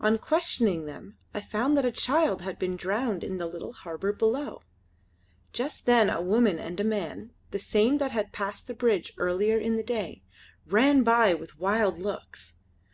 On questioning them I found that a child had been drowned in the little harbour below. Just then a woman and a man, the same that had passed the bridge earlier in the day, ran by with wild looks.